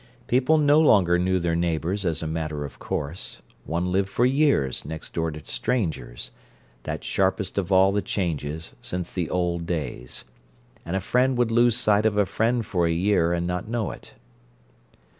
People no longer knew their neighbours as a matter of course; one lived for years next door to strangers—that sharpest of all the changes since the old days—and a friend would lose sight of a friend for a year, and not know it.